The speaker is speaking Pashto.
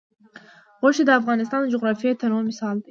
غوښې د افغانستان د جغرافیوي تنوع مثال دی.